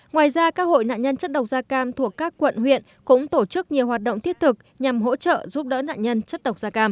ngoài ra các hội nạn nhân chất độc da cam thuộc các quận huyện cũng tổ chức nhiều hoạt động thiết thực nhằm hỗ trợ giúp đỡ nạn nhân chất độc da cam